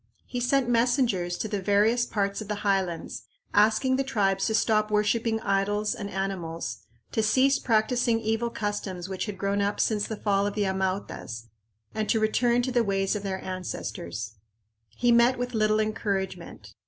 He sent messengers to the various parts of the highlands, asking the tribes to stop worshiping idols and animals, to cease practicing evil customs which had grown up since the fall of the Amautas, and to return to the ways of their ancestors. He met with little encouragement.